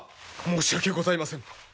申し訳ございませぬ。